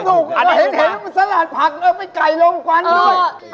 ไม่ให้เอาอันนี้ซัลลานด์ผักแล้วแล้วก็ไม่ไก่ลงวันด้วย